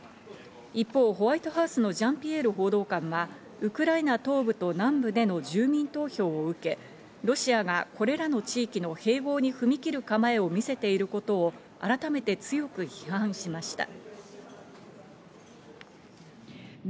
一方、ホワイトハウスのジャンピエール報道官は、ウクライナ東部と南部での住民投票を受け、ロシアがこれらの地域の併合に踏み切る構えを見せていることを改めて強く批判しました。